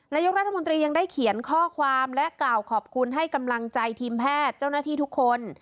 นายกรัฐมนตรียังได้เขียนข้อความและกล่าวขอบคุณให้กำลังใจทีมแพทย์เจ้าหน้าที่ทุกคน